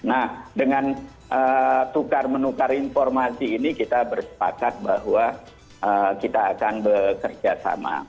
nah dengan tukar menukar informasi ini kita bersepakat bahwa kita akan bekerja sama